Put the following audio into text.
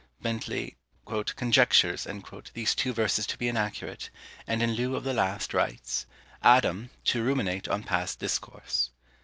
Bentley "conjectures" these two verses to be inaccurate, and in lieu of the last writes ADAM, TO RUMINATE ON PAST DISCOURSE.